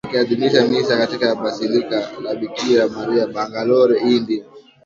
akiadhimisha Misa katika Basilika la Bikira Maria Bangalore India